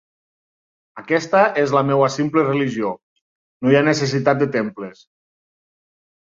Aquesta és la meua simple religió: no hi ha necessitat de temples.